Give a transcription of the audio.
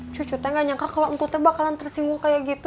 cucu saya gak nyangka kalau engkutnya bakalan tersinggung kayak gitu